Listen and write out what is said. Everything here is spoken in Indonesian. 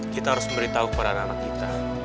kita harus memberitahu kepada anak anak kita